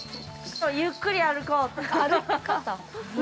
◆ゆっくり歩こう。